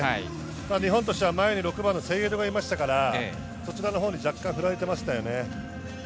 日本としては前に６番のセイエドがいましたから、こちらのほうに若干振られていましたよね。